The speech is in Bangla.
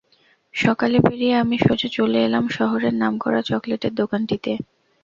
সকালে বেরিয়ে আমি সোজা চলে এলাম শহরের নাম করা চকলেটের দোকানটিতে।